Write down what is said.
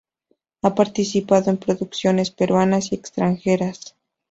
Ha participado en producciones peruanas y extranjeras.